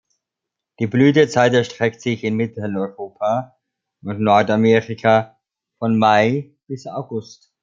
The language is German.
Die Blütezeit erstreckt sich in Mitteleuropa und Nordamerika von Mai bis August.